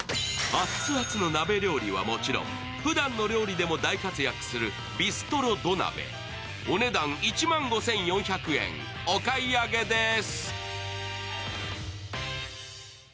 熱々の鍋料理はもちろんふだんの料理でも大活躍するビストロ土鍋、お値段１万５４００円、お買い上げです。